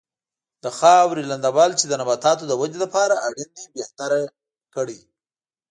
د خاورې لنده بل چې د نباتاتو د ودې لپاره اړین دی بهتره کړي.